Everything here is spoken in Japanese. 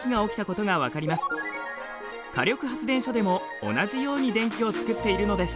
火力発電所でも同じように電気を作っているのです。